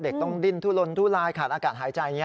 เด็กต้องดิ้นทุลนทุลายขาดอากาศหายใจ